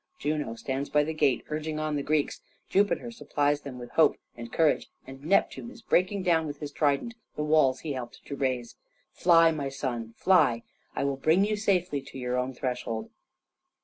Juno stands by the gate urging on the Greeks, Jupiter supplies them with hope and courage, and Neptune is breaking down with his trident the walls he helped to raise. Fly, my son, fly. I will bring you safely to your own threshold."